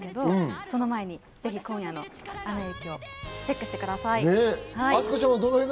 その前にぜひ今夜の放送をチェックしてください。